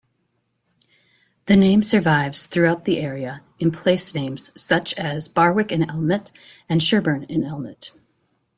The name survives throughout the area in place names such as Barwick-in-Elmet and Sherburn-in-Elmet.